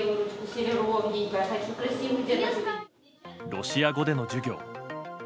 ロシア語での授業。